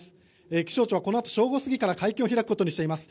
気象庁はこのあと正午過ぎから会見を行うことにしています。